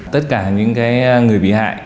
tất cả những người bị hại